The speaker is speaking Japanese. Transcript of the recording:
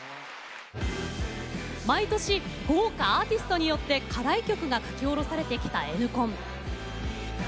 毎年、豪華アーティストによって課題曲が書き下ろされてきたＮコン。